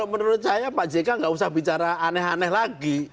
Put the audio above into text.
menurut saya pak jk nggak usah bicara aneh aneh lagi